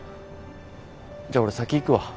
じゃあ俺先行くわ。